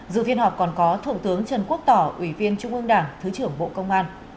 dự phiên họp còn có thượng tướng trần quốc tỏ ủy viên trung ương đảng thứ trưởng bộ công an